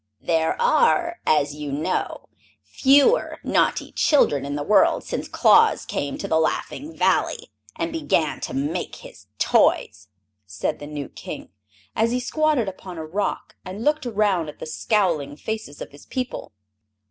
"There are, as you know, fewer naughty children in the world since Claus came to the Laughing Valley and began to make his toys," said the new King, as he squatted upon a rock and looked around at the scowling faces of his people.